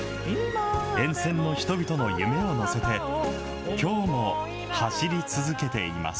沿線の人々の夢を乗せて、きょうも走り続けています。